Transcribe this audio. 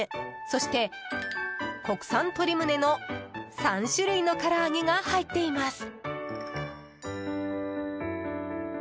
そして、国産鶏胸の３種類の唐揚げが入っています。